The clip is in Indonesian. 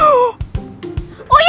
oh iya bukain ya